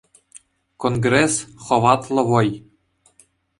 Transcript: Конгресс — хӑватлӑ вӑй.